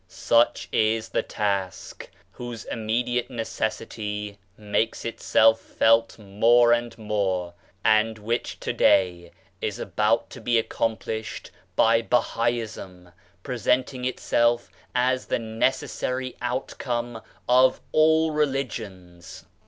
Such is the task whose immediate necessity makes itself 22 BAHAISM felt mote and more, and which to day is about to be accomplished by Bahaism presenting itself as the necessary outcome of all religions.